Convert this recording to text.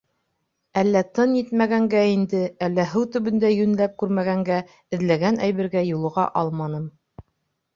Әллә тын етмәгәнгә инде, әллә һыу төбөндә йүнләп күрмәгәнгә, эҙләгән әйбергә юлыға алманым.